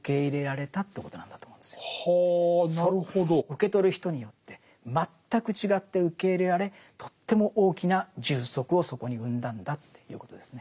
受け取る人によって全く違って受け入れられとっても大きな充足をそこに生んだんだということですね。